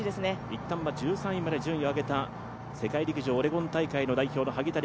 一旦は１３位まで順位を上げた世界陸上オレゴン大会代表の萩谷楓